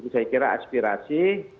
saya kira aspirasi